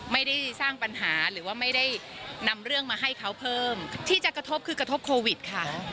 ไม่ได้สร้างปัญหาหรือว่าไม่ได้นำเรื่องมาให้เขาเพิ่มที่จะกระทบคือกระทบโควิดค่ะ